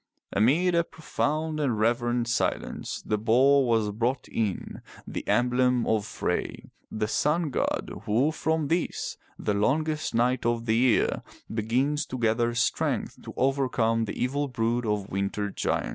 Amid a profound and reverent silence the boar was brought in, the emblem of Frey, the sun god, who from this, the longest night of the year, begins to gather strength to overcome the evil brood of winter giants.